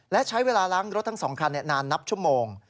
และใช้เวลาล้างรถทั้ง๒คันนานนับชั่วโมง